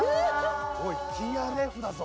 おいＴＲＦだぞ！